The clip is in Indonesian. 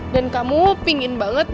dan kamu pingin banget buat aku